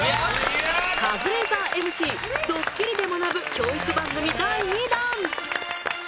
カズレーザーＭＣドッキリで学ぶ教育番組第２弾！